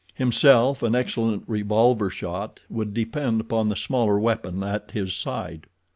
Himself, an excellent revolver shot, would depend upon the smaller weapon at his side.